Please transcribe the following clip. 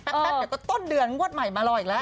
แป๊บเดี๋ยวก็ต้นเดือนงวดใหม่มารออีกแล้ว